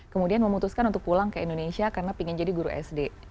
kemudian memutuskan untuk pulang ke indonesia karena ingin jadi guru sd